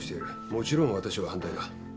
もちろん私は反対だ。